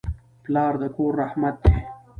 پلار د کور رحمت دی.